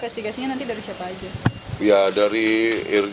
investigasinya nanti dari siapa saja